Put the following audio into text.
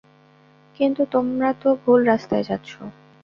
কিন্তু তোমরা তো ভুল রাস্তায় যাচ্ছ।